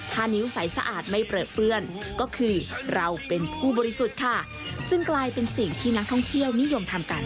ถ้านิ้วใสสะอาดไม่เปลือเปื้อนก็คือเราเป็นผู้บริสุทธิ์ค่ะจึงกลายเป็นสิ่งที่นักท่องเที่ยวนิยมทำกัน